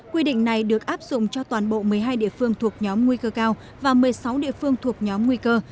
quy định này được áp dụng cho toàn bộ một mươi hai địa phương thuộc nhóm nguy cơ cao và một mươi sáu địa phương thuộc nhóm nguy cơ